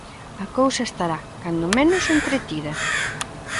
A cousa estará, cando menos, entretida.